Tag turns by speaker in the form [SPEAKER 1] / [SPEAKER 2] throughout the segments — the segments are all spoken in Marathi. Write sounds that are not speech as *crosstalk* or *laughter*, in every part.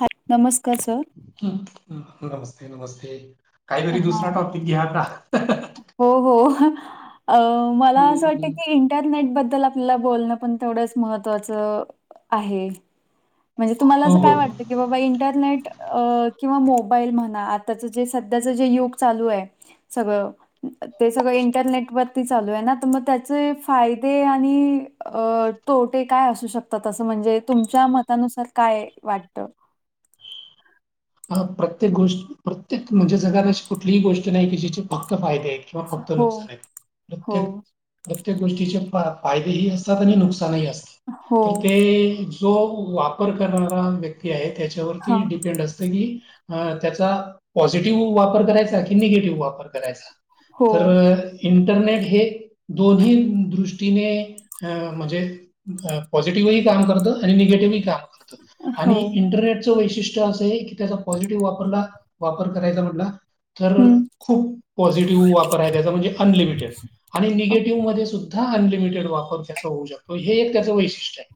[SPEAKER 1] हा नमस्कार सर.
[SPEAKER 2] नमस्ते नमस्ते काहीतरी
[SPEAKER 1] हां.
[SPEAKER 2] दुसरा टॉपिक घ्या आता.
[SPEAKER 1] हो, हो अ मला असं वाटत
[SPEAKER 2] हं.
[SPEAKER 1] की? त्यात नेट बद्दल आपल्याला बोलणं पण तेवडंच महत्त्वाच आहे. म्हणजे तुम्हाला
[SPEAKER 2] हो,
[SPEAKER 1] असं
[SPEAKER 2] हो.
[SPEAKER 1] काय वाटतं की बाबा इंटरनेट अ किंवा मोबाईल म्हणा आताच जे स ध्याच जे युग चालू आहे सगळं. ते सगळं इंटरनेट वरती चालू आहे ना त मग त्याचे फायदे आणि अ तोटे काय असू शकतात, असं म्हणजे तुमच्या मतानुसार काय वाटत?
[SPEAKER 2] हा प्रत्येक गोष्ट, प्रत्येक म्हणजे जगात अशी कुठलीही गोष्ट नाही की जिचे फक्त फायदे हे किंवा फक्त
[SPEAKER 1] हो,
[SPEAKER 2] नुकसान आहे
[SPEAKER 1] हो,
[SPEAKER 2] प्रत्येक प्रत्येक गोष्टीचे फा-फायदेही असतात, आणि नुकसानही असत
[SPEAKER 1] हो,
[SPEAKER 2] तर ते जो वापर करणारा व्यक्ती आहे त्याच्यावरती
[SPEAKER 1] हां,
[SPEAKER 2] डिपेंड असतं की ह त्याचा पॉझिटिव्ह वापर करायचा, की निगेटिव्ह वापर करायचा.
[SPEAKER 1] हो,
[SPEAKER 2] तर इंटरनेट हे दोन्ही दृष्टीने अ म्हणजे पॉझिटिव्हही काम करतं आणि निगेटिव्हही काम करत आणि
[SPEAKER 1] हो.
[SPEAKER 2] इंटरनेटचं वैशिष्ट्य असं आहे की त्याचा पॉझिटिव्ह वापरला वापर करायचा म्हणला तर
[SPEAKER 1] हम्म.
[SPEAKER 2] खूप पॉझिटिव्ह वापर आहे त्याचा म्हणजे अनलिमिटेड. आणि निगेटिव्ह मध्ये सुद्धा अनलिमिटेड वापर त्याचा होऊ शकतो, हे एक त्याचं वैशिष्ट्य आहे.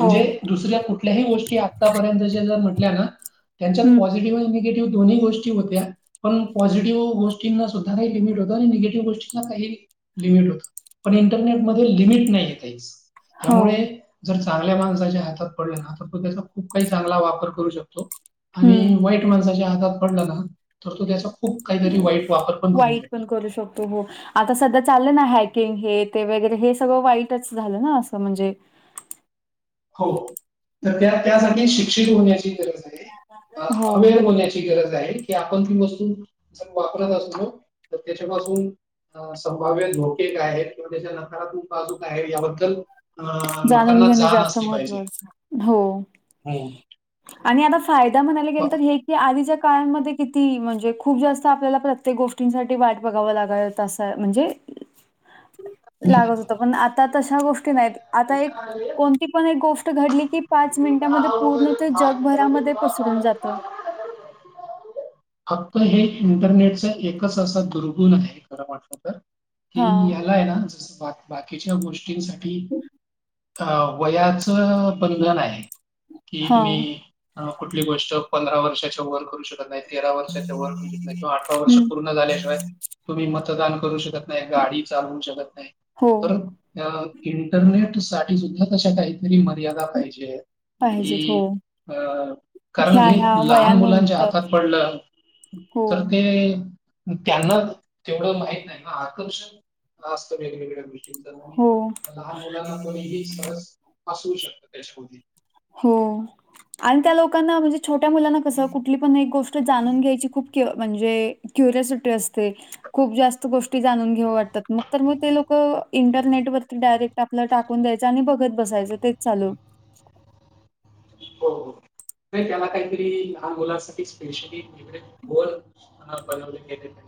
[SPEAKER 1] हो
[SPEAKER 2] दुसऱ्या कुठल्याही गोष्टी आतापर्यंतच्या जर म्हटल्या ना
[SPEAKER 1] हं.
[SPEAKER 2] पॉझिटिव्ह आणि निगेटिव्ह दोन्ही गोष्टी होत्या. पण पॉझिटिव्ह गोष्टींना सुद्धा काही लिमिट होतं, आणि निगेटिव्ह गोष्टींना काही लिमिट होतं. पण इंटरनेटमध्ये लिमिट नाहीये काहीच
[SPEAKER 1] हो
[SPEAKER 2] त्यामुळे. जर चांगल्या माणसाच्या हातात पडल ना त तो त्याचा खूप काही चांगला वापर करू शकतो. आणि
[SPEAKER 1] हम्म
[SPEAKER 2] वाईट माणसाच्या हातात पडला ना तर तो त्याचा खूप काहीतरी वाईट वापर पण करू
[SPEAKER 1] वाईट पण
[SPEAKER 2] शकतो.
[SPEAKER 1] करू शकतो हो आता सध्या चाललं ना हॅकिंग, हे ते वगैरे हे, सगळं वाईटच झालं ना असं म्हणजे.
[SPEAKER 2] हो तर त्या त्यासाठी शिक्षित होण्याची गरज आहे.
[SPEAKER 1] हो
[SPEAKER 2] अवेअर होण्याची गरज आहे. की आपण ती वस्तू जर वापरत असलो तर त्याच्यापासून अ संभाव्य धोके काय आहेत, किंवा त्याच्या नकारात्मक बाजू काय आहे याबद्दल. अ लोकांना जाण अस हं.
[SPEAKER 1] आणी आता फायदा म्हणायला
[SPEAKER 2] प
[SPEAKER 1] गेल तर ए की आधीच्या काळांमध्ये किती म्हणजे खूप जास्त आपल्याला प्रत्येक गोष्टींसाठी वाट बघावं लागा तसं म्हणजे. लागत होत, पण आता तशा गोष्टी नाहीत, आता एक कोणती पण एक गो ष्ट घडली की पाच मिनिटामध्ये पूर्ण ते जगभरामध्ये पसरून जात. *inaudible*
[SPEAKER 2] *unintelligible* हे इंटरनेटच एकच असा दुर्गुण आहे खरं म्हटलं तर ते
[SPEAKER 1] हा
[SPEAKER 2] यालाय ना बाक बाकीच्या गोष्टींसाठी अ वयाच बंधन आहे कि
[SPEAKER 1] हा
[SPEAKER 2] तुम्ही कुठली गोष्ट पंधरा वर्षाच्या वर करू शकत नाहीत तेरा वर्षाच्या वर किंवा अठरा वर्ष
[SPEAKER 1] हम्म
[SPEAKER 2] पूर्ण झाल्याशिवाय तुम्ही मतदान करू शकत नाही गाडी चालवू शकत नाही
[SPEAKER 1] हो
[SPEAKER 2] बरोब इंटरनेट साठी सुद्धा तशा काहीतरी मर्यादा पाहिजे कि
[SPEAKER 1] पाहिजेत हो
[SPEAKER 2] अं कारण
[SPEAKER 1] ह्या
[SPEAKER 2] हे
[SPEAKER 1] ह्या
[SPEAKER 2] लहान मुलांच्या
[SPEAKER 1] वयानंतर
[SPEAKER 2] हातात पडलं
[SPEAKER 1] हो
[SPEAKER 2] तर ते त्यांना तेवढं माहित नाही आकर्षक असतं वेगवेगळ्या गोष्टी
[SPEAKER 1] हो
[SPEAKER 2] लहान मुलांना कोणीही सहज पसरू शकत त्याच्यामध्ये
[SPEAKER 1] हो आणि त्या लोकांना म्हणजे छोट्या मुलांना कसं कुठली पण एक गोष्ट जाणून घ्यायची की खूप म्हणजे क्युरियासिटी असते खूप जास्त गोष्टी जाणून घेऊ वाटतात मग तर मग ते लोक इंटरनेटवरती डायरेक्ट आपलं टाकून द्यायचं आणि बघत बसायचं तेच चालू
[SPEAKER 2] हो, हो नाही त्याला काहीतरी ल मुलासाठी स्पेशली ईकडे गोल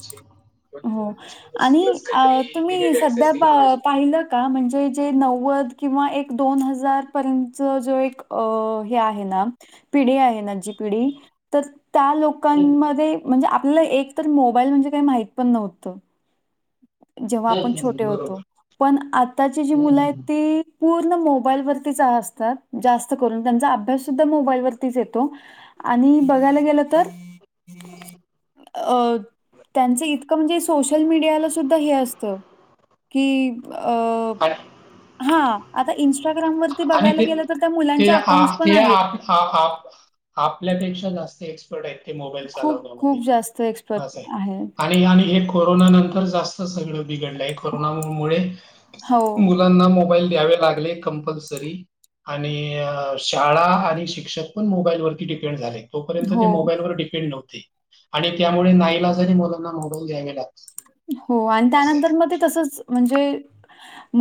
[SPEAKER 2] *unintelligible*
[SPEAKER 1] हो
[SPEAKER 2] त्याच्यामध्ये
[SPEAKER 1] आणि
[SPEAKER 2] सगळंच
[SPEAKER 1] आ
[SPEAKER 2] काहीतरी
[SPEAKER 1] तुम्ही
[SPEAKER 2] लिमिट
[SPEAKER 1] सध्या
[SPEAKER 2] ऍक्सेस दिला पाहिजे.
[SPEAKER 1] पाहिलंत का म्हणजे जे नव्वद किंवा एक दोन हजार पर्यतच जो एक हे आहे ना पिढी आहे ना जी पिढी तर त्या लोक
[SPEAKER 2] हम्म,
[SPEAKER 1] लोकांमध्ये म्हणजे आपल्याला एक तर मोबाईल म्हणजे काही माहित पण नव्हतं जेव्हा आपण
[SPEAKER 2] हम्म,
[SPEAKER 1] छोटे
[SPEAKER 2] हम्म, बरोबर.
[SPEAKER 1] होतो पण आताची जी
[SPEAKER 2] हम्म,
[SPEAKER 1] मुलं आहेत
[SPEAKER 2] हम्म.
[SPEAKER 1] ती पूर्ण मोबाईल वरतीच असतात जास्त करून त्यांचा अभ्यास सुद्धा मोबाईल वरतीच येतो आणि बघायला गेलं तर अ त्यांच इतकं म्हणजे सोशल मीडियाव सुद्धा हे असत की अ
[SPEAKER 2] आणि
[SPEAKER 1] हा आता इन्स्टाग्रामवररती
[SPEAKER 2] आणि
[SPEAKER 1] बघायला गेलं तर त्या मुलांच्या अकाउंट्स पण आहेत
[SPEAKER 2] हा, हा आपल्यापेक्षा जास्तेच मोबाईल
[SPEAKER 1] खूप,
[SPEAKER 2] चालवणे
[SPEAKER 1] खूप जास्त एक्सपर्ट आहे.
[SPEAKER 2] आणि, आणि हे कोरोना नंतर जास्त सगळ बिघडलंय कोरोना मुळे
[SPEAKER 1] हो,
[SPEAKER 2] मुलांना मोबाईल द्यावे लागले कंपलस तरी आणि शाळा आणि शिक्षक पण मोबाईल वरती डिपेंड झालय तोपर्यंत
[SPEAKER 1] हो,
[SPEAKER 2] ते मोबाईलवर डिपेंड नव्हते आणि त्यामुळे नाईलाजाने मुलांना मोबाईल द्यावे लागले
[SPEAKER 1] हो आणि त्यानंतर मग ते तसच म्हणजे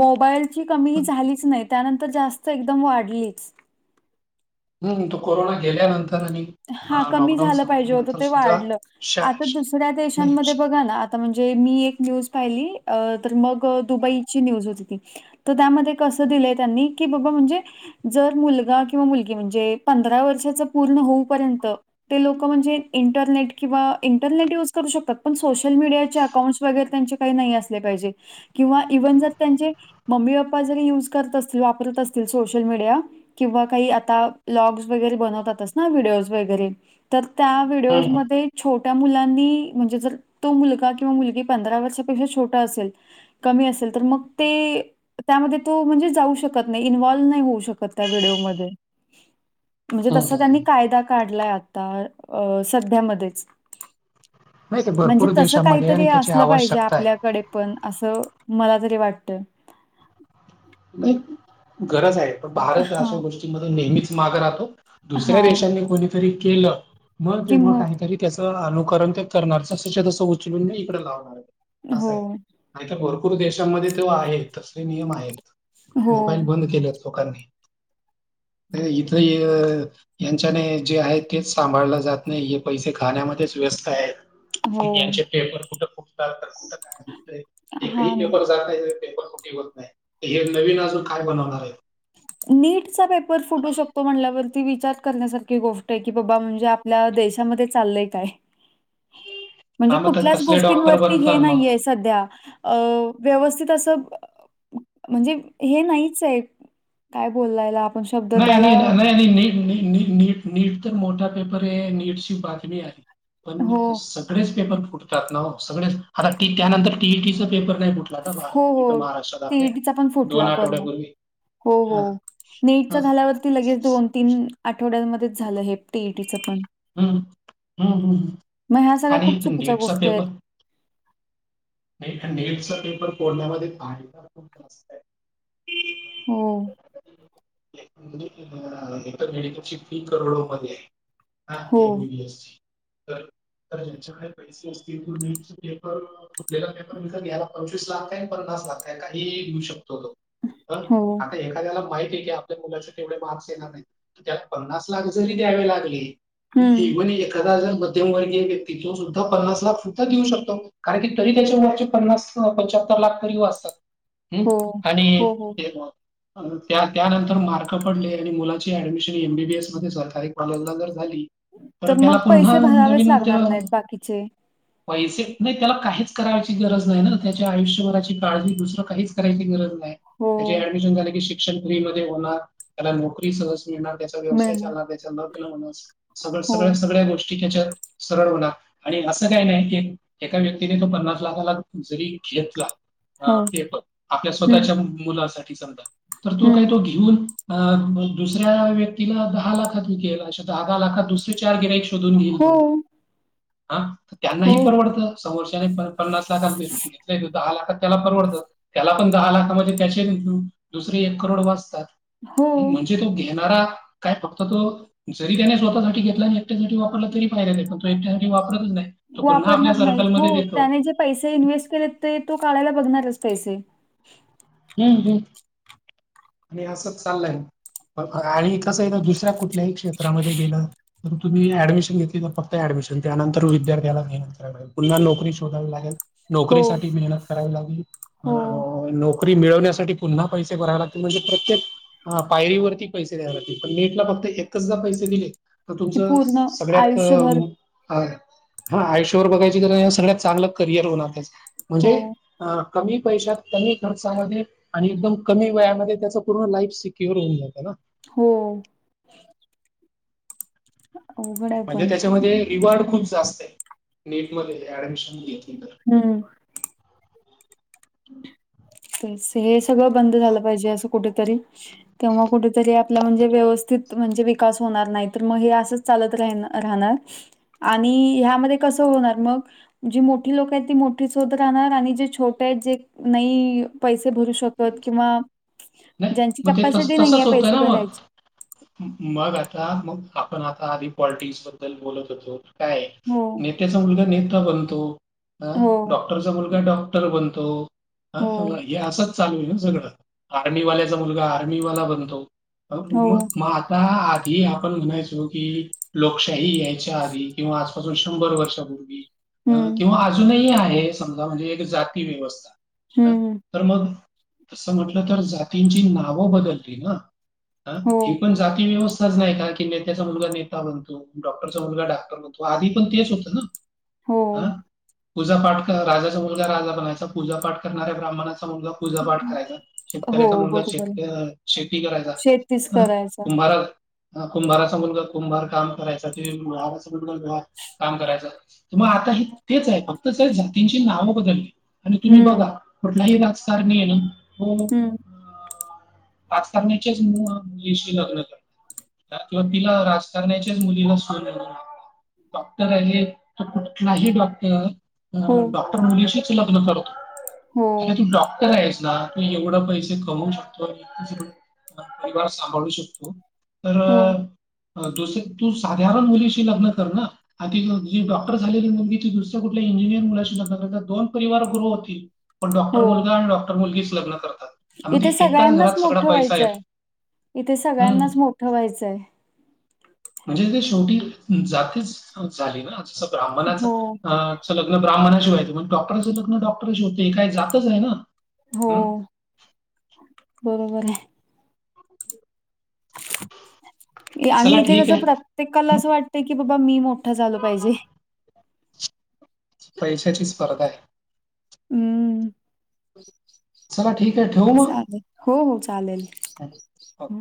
[SPEAKER 1] मोबाईलची
[SPEAKER 2] तर
[SPEAKER 1] कमीही झालीच नाही त्यानंतर जास्त एकदम वाढली
[SPEAKER 2] हम्म तो कोरोना गेल्यानंतर आणि
[SPEAKER 1] हा
[SPEAKER 2] अ,
[SPEAKER 1] कमी
[SPEAKER 2] लॉकडाऊन
[SPEAKER 1] झालं पाहिजे होतं
[SPEAKER 2] संपल्यानंतर
[SPEAKER 1] ते
[SPEAKER 2] सुद्धा
[SPEAKER 1] वाढलं
[SPEAKER 2] शा
[SPEAKER 1] आता
[SPEAKER 2] श-
[SPEAKER 1] दुसऱ्या
[SPEAKER 2] नाही.
[SPEAKER 1] देशांमध्ये
[SPEAKER 2] श-
[SPEAKER 1] बघा ना आता म्हणजे मी एक न्यूज पाहिली तर मग दुबईची न्यूज होती ती तर त्यामध्ये कसं दिलंय त्यांनी की बाबा म्हणजे जर मुलगा किंवा मुलगी म्हणजे पंधरा वर्षाच पूर्ण होऊपर्यंत ते लोक म्हणजे इंटरनेट किंवा इंटरनेट यूज करू शकतात पण सोशल मीडियाचे अकाउंट्स वगैरे त्यांचे काही नाही असले पाहिजे किंवा इव्हन जर त्यांचे मम्मी, पप्पा जरी युज करत असतील वापरत असतील सोशल मीडिया किंवा काही आता ब्लॉग्स वगैरे बनवतातच ना व्हिडिओज वगैरे तर त्या
[SPEAKER 2] हं,
[SPEAKER 1] व्हिडिओज
[SPEAKER 2] हं,
[SPEAKER 1] मध्ये छोट्या मुलांनी म्हणजे जर तो मुलगा किंवा मुलगी पंधरा वर्षापेक्षा छोटा असेल कमी असेल तर मग ते त्यामध्ये तो म्हणजे जाऊ शकत नाही इन्व्हल्व नाही होऊ शकत त्या व्हिडिओमध्ये. म्हणजे
[SPEAKER 2] हं,
[SPEAKER 1] तसा
[SPEAKER 2] हं.
[SPEAKER 1] त्यांनी
[SPEAKER 2] हं.
[SPEAKER 1] कायदा काढलाय आता अ सध्यामध्येच
[SPEAKER 2] नाही ते
[SPEAKER 1] म्हणजे
[SPEAKER 2] भरपूर
[SPEAKER 1] तस
[SPEAKER 2] देशामध्ये आहे
[SPEAKER 1] काहीतरी
[SPEAKER 2] आणि त्याची
[SPEAKER 1] असलं पाहिजे
[SPEAKER 2] आवश्यकता आहे.
[SPEAKER 1] आपल्या कडे पण असं मला तरी वाटत.
[SPEAKER 2] नाही गरज आहे पण भारत अशा
[SPEAKER 1] हां,
[SPEAKER 2] गोष्टीमध्ये नेहमीच माग राहतो. दुसऱ्या
[SPEAKER 1] हां.
[SPEAKER 2] देशांनी कोणीतरी केलं मग तेव्हा काहीतरी त्याचं अनुकरण ते करणारच त तसं उचलून नाही इकडे लावणार असं
[SPEAKER 1] हो,
[SPEAKER 2] आहे. नाही तर भरपूर देशांमध्ये तेव आहेत तसले नियम आहेत
[SPEAKER 1] हो,
[SPEAKER 2] मोबाईल बंद केले लोकांनी ते इथ यांच्याने जे आहे तेच सांभाळलं जात नाही हे पैसे खाण्यामध्येच व्यस्त आहेत.
[SPEAKER 1] हो.
[SPEAKER 2] यांचे पेपर कुठं फुटतात तर कुठ काय
[SPEAKER 1] हां
[SPEAKER 2] एकही
[SPEAKER 1] ना.
[SPEAKER 2] पेपर जाते तर पेपर फुटी होत नाही, हे नवीन अजून काय बनवणार आहे?
[SPEAKER 1] नीटचा पेपर फुटू शकतो म्हणल्यावरती विचार करण्यासारखी गोष्ट आहे की बाबा म्हणजे आपल्या देशामध्ये चाललंय काय? म्हणजे
[SPEAKER 2] हा मग त-
[SPEAKER 1] कुठल्याच
[SPEAKER 2] तसले डॉक्टर
[SPEAKER 1] गोष्टींवरती हे
[SPEAKER 2] बनतात मग.
[SPEAKER 1] नाहीये. सध्या अ व्यवस्थित असं म्हणजे हे नाहीच आहे काय बोलायला. शब्द त्याला
[SPEAKER 2] नाही, नाही, नाही नीट, नीट, नीट तर मोठा पेपर आहे नीटची बातमी आहे पण
[SPEAKER 1] हो,
[SPEAKER 2] सगळेच पेपर फुटतात ना सगळेच आता त्यानंतर टी, ई, टीं, पेपर नाही फुट आता
[SPEAKER 1] हो,
[SPEAKER 2] भारत इथ
[SPEAKER 1] हो.
[SPEAKER 2] महाराष्ट्रात आपल्या
[SPEAKER 1] सीईटीचा पण
[SPEAKER 2] दोन
[SPEAKER 1] फुटला परिणाम.
[SPEAKER 2] आठवड्यापूर्वी
[SPEAKER 1] हो,
[SPEAKER 2] हा
[SPEAKER 1] हो. नीटचा
[SPEAKER 2] हा.
[SPEAKER 1] झाल्यावरती लगेच दोन, तीन आठवड्यांमध्येच झालं हे. टी, ई, टी च पण
[SPEAKER 2] हम्म हम्म हम्म
[SPEAKER 1] मग ह्या सगळ्या
[SPEAKER 2] आणि
[SPEAKER 1] खूप चुकीच्या
[SPEAKER 2] नीटचा
[SPEAKER 1] गोष्टी आहेत.
[SPEAKER 2] नाही नेटचा पेपर फोडण्यामध्ये *inaudible* आहे का खूपस्त आहे.
[SPEAKER 1] हो.
[SPEAKER 2] म्हणजे इतर मेडिकलची फी करोडोमध्ये आहे. हा
[SPEAKER 1] हो,
[SPEAKER 2] M, B, B, S, C तर ज्यांच्याकडे पैसे असतील तर नीडचे पेपर फुटलेला पेपर विकत घ्यायला पंचवीस लाख काय पन्नास लाख काय काहीही घेऊ शकतो तो. पण
[SPEAKER 1] हो.
[SPEAKER 2] आता एखाद्याला माहितीय आहे की मुलांसाठी मार्क्स देतात, त्यात पन्नास लाख जरी द्यावे लागले *inaudible*
[SPEAKER 1] हं.
[SPEAKER 2] मध्यमवर्गीय व्यक्ती सुद्धा पन्नास लाख कुठ देऊ शकतो कारण की तरी त्याच्या मागचे पन्नास, पंच्याहत्तर लाख तरी वाचतात. हम्म
[SPEAKER 1] हो,
[SPEAKER 2] आणि
[SPEAKER 1] हो, हो.
[SPEAKER 2] ते म त्या त्यानंतर मार्क पडले आणि मुलाची admission M, B, B, S मध्ये सरकारी कॉलेजला जर झाली तर त्याला
[SPEAKER 1] मग
[SPEAKER 2] पुन्हा
[SPEAKER 1] पैसे भरावेच
[SPEAKER 2] नवीन त्या
[SPEAKER 1] लागणार नाहीत बाकीचे
[SPEAKER 2] पैसे नाही त्याला काहीच करायची गरज नाही ना त्याच्या आयुष्यभराची काळजी दुसरं काहीच करायची गरज नाही.
[SPEAKER 1] हो
[SPEAKER 2] त्या ऍडमिशन झाले की शिक्षण फ्री मध्ये होणार त्याला नोकरी सहज मिळणार, त्याचा व्यवसाय
[SPEAKER 1] मिळणार
[SPEAKER 2] चालणार त्याना वाटते *inaudible* सगळ
[SPEAKER 1] हो
[SPEAKER 2] सगळ्या, सगळ्या गोष्टी त्याच्या सरळ होनार आणि असं काय नाही की एका व्यक्ती तो पन्नास लाखाला जरी घेतला
[SPEAKER 1] हो
[SPEAKER 2] आपल्या
[SPEAKER 1] हम्म
[SPEAKER 2] स्वतःच्या मुलासाठी समजा तर तो कर
[SPEAKER 1] हम्म
[SPEAKER 2] तो की. घेऊन दुसऱ्या व्यक्तीला दहा लाखातला विकेल अशे दहा, दहा लाखात दुसरे चार गिराय शोधुन घेईल
[SPEAKER 1] हो
[SPEAKER 2] तो, त्यांना
[SPEAKER 1] हो
[SPEAKER 2] ही परवडत समोरच्याने पन्नास लाखात घेतलंय ते दहा लाखात त्याला परवडत. त्याला पण दहा लाख मध्ये त्याचे इनक्लुड दुसरे एक करोड वाचतात.
[SPEAKER 1] हो
[SPEAKER 2] म्हणजे ते तो घेणारा. काय फक्त तो जरी त्याने स्वतःसाठी घेतला नाही त्याने एकट्यासाठी वापरला तरी फायदा नाही पण तो एकट्यासाठी वापरतच नाही. तो पुन्हा आपल्या
[SPEAKER 1] वापरणार नाही हो
[SPEAKER 2] सर्कलमध्ये देत
[SPEAKER 1] त्याने जे पैसे इन्व्हेस्ट केले ते तो काढायला बघणारच पैसे.
[SPEAKER 2] हम्म हम्. आणि असं चाललंय. अ आणि कसंय ना दुसऱ्या कुठल्याही क्षेत्रामध्ये गेलं तर तुम्ही ॲडमिशन घेतली का फक्त ऍडमिशन त्यांनंतर विद्यार्थ्याला *unintelligible* पुन्हा नोकरी शोधावी लागेल.
[SPEAKER 1] हो
[SPEAKER 2] नोकरी साठी मेहनत करावी लागेल. ह हा हो नो नोकरी मिळवण्यासाठी पुन्हा पैसे भरावे लागतील म्हणजे प्रत्येक हा पायरीवरती पैसे द्यावे लागते पण नेटला फक्त एकचदा पैसे दिले तर
[SPEAKER 1] ते
[SPEAKER 2] तुमचं
[SPEAKER 1] पूर्ण
[SPEAKER 2] सगळ्यात
[SPEAKER 1] आयुष्यभर
[SPEAKER 2] ह ह आयुष्याभर बघायची क सगळ्यात चांगलं करियर होणार त्याच.
[SPEAKER 1] हो
[SPEAKER 2] म्हणजे अ कमी पैशात कमी खर्चामध्ये आणि एकदम कमी वयामध्ये त्याच पूर्ण लाईफ सिक्युअर होऊन जातं ना?
[SPEAKER 1] हो. अवघड आहे
[SPEAKER 2] म्हणजे
[SPEAKER 1] पण
[SPEAKER 2] त्याच्यामध्ये रिवॉर्ड खूप जास्त आहे नेटमध्ये ऍडमिशन घेतली तर
[SPEAKER 1] हम्म. हेस हे सगळं बंद झालं पाहिजे असं कुठतरी. तेव्हा कुठतरी आपला म्हणजे व्यवस्थित म्हणजे विकास होणार नाही तर मग हे असंच चालत राहीन राहणार आणि ह्यामध्ये कसं होणार मग? जी मोठी लोक आहेत ती मोठीच होत राहणार आणि जे छोटे आहेत जे नई पैसे भरू शकत किंवा
[SPEAKER 2] नाही
[SPEAKER 1] ज्यांची
[SPEAKER 2] मग ते
[SPEAKER 1] कपॅसिटी नाही
[SPEAKER 2] तसंच
[SPEAKER 1] आहे
[SPEAKER 2] होतंय
[SPEAKER 1] पैसे
[SPEAKER 2] ना मग
[SPEAKER 1] भरायची
[SPEAKER 2] मग आता मग आपण आता आधी पॉलिटिक्स बद्दल बोलत होतो. काय?
[SPEAKER 1] हो,
[SPEAKER 2] नेत्याचा मुलगा नेता बनतो. ह डॉ
[SPEAKER 1] हो,
[SPEAKER 2] डॉक्टरचा मुलगा डॉक्टर बनतो अ
[SPEAKER 1] हो,
[SPEAKER 2] हे असं चालू हाय ना सगळं. आर्मीवाल्याचा मुलगा आर्मीवाला बनतो. ह म
[SPEAKER 1] हो.
[SPEAKER 2] म - पाहा आधी आपण म्हणायचो की लोकशाही यायच्या आधी किंवा आजपासून शंभर वर्षापूर्वी अ
[SPEAKER 1] हं,
[SPEAKER 2] किंवा अजूनही आहे समजा म्हणजे एक जाती व्यवस्था. ह
[SPEAKER 1] हं.
[SPEAKER 2] तर मग? तसं म्हटलं तर जातींची नावं बदलली ना? अ
[SPEAKER 1] हो,
[SPEAKER 2] ही पण जाती व्यवस्थाच नाही कार की नेत्याचा मुलगा नेता बनतो. डॉक्टरचा मुलगा डॉक्टर बनतो. आधी पण तेच होतं ना?
[SPEAKER 1] हो.
[SPEAKER 2] आ पूजापाठ राजाचा मुलगा राजा बनायचा. पूजापाठ करणाऱ्या ब्राह्मणाचा मुलगा पूजापाठ करायचा
[SPEAKER 1] हो,
[SPEAKER 2] शेतकऱ्याचा मुलगा
[SPEAKER 1] बरोबर आहे.
[SPEAKER 2] शेतका शेती करायचा.
[SPEAKER 1] शेतीच करायचा.
[SPEAKER 2] आ कुंभाराचा मुलगा कुंभार काम करायचा की माराचा मुलगा काम करायचा. तर मग आता हे तेच आहे फक्तच जातींची नाव बदलली. आणि तुम्ही
[SPEAKER 1] हं,
[SPEAKER 2] बघा कुठलाही राजकारणी हायना हो
[SPEAKER 1] हं.
[SPEAKER 2] राजकरण्याचेच म मुलीशी लग्न कर किंवा तिला राजकारणाच्याच मुलीला सून म्हणून डॉक्टर आहे. तर कुठलाही डॉक्टर
[SPEAKER 1] हो,
[SPEAKER 2] अ डॉक्टर मुलीशीच लग्न करतो
[SPEAKER 1] हो,
[SPEAKER 2] आता तू डॉ कहेस ना तू एवढं पैशे कमवू शकतो. परिवांर सांभाळूं शकतो
[SPEAKER 1] हो,
[SPEAKER 2] तरं अं दुसरं तूं साधारण मुलीशी लग्नं करं नां ती जी डॉक्टर झालेली मुली ती दुस कुठं इजि मुलां दोन परिवार गुृह होतील पणं डॉक्टर
[SPEAKER 1] हो.
[SPEAKER 2] मुलंगा आणि डॉक्टर मुलंगीच लग्नं करतांत
[SPEAKER 1] इथे सगळ्यांनाचं मोठं व्हायचंय इथे
[SPEAKER 2] हं.
[SPEAKER 1] सगळ्यांनाचं मोठं व्हायचंय आहे
[SPEAKER 2] म्हणजे ते शेवटी जातीच झालीं नां जसं ब्राह्मणांच्या
[SPEAKER 1] हो,
[SPEAKER 2] अं असं लग्नं ब्राहमणाशी मंग डॉक्टरं लग्नं डॉक्टरशी चं होते कायं जायचं आहे नां
[SPEAKER 1] हो बरोबर आहे आणि
[SPEAKER 2] चला
[SPEAKER 1] इथे
[SPEAKER 2] ठीक
[SPEAKER 1] कसं
[SPEAKER 2] आहे.
[SPEAKER 1] प्रत्येकाला असं वाटतंय की बाबां मी मोठं झालो पाहिजे
[SPEAKER 2] पैशाची स्पर्धा आहे
[SPEAKER 1] हम्मं
[SPEAKER 2] चलां ठीक आहे ठेवूं मंग
[SPEAKER 1] चालेल. हो हो चालेल
[SPEAKER 2] हो.
[SPEAKER 1] हो.